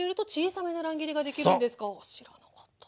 知らなかった。